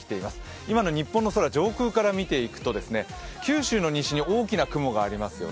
今の日本の空、上空から見ていくと九州の西に大きな雲がありますよね。